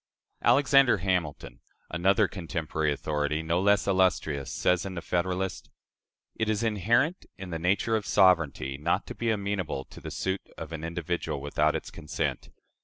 " Alexander Hamilton another contemporary authority, no less illustrious says, in the "Federalist": "It is inherent in the nature of sovereignty, not to be amenable to the suit of an individual without its consent.